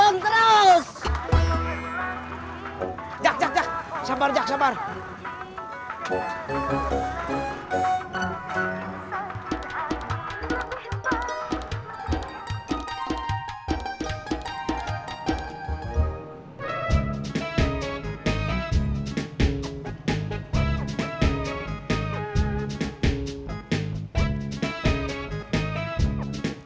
nggak mau lagi ditinggal